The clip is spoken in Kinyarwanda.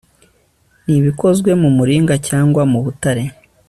n'ibikozwe mu muringa cyangwa mu butare